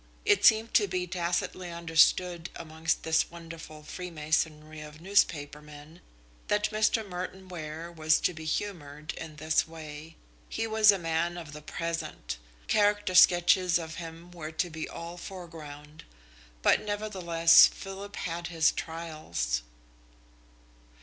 It seemed to be tacitly understood amongst this wonderful freemasonry of newspaper men that Mr. Merton Ware was to be humoured in this way. He was a man of the present. Character sketches of him were to be all foreground. But, nevertheless, Philip had his trials.